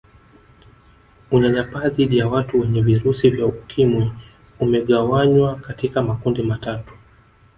Unyanyapaa dhidi ya watu wenye virusi vya Ukimwi umegawanywa katika makundi matatu